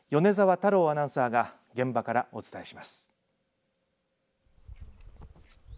太郎アナウンサーが現場からお伝えします。